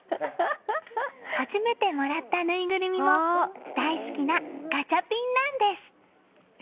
初めてもらったぬいぐるみも大好きなガチャピンなんです。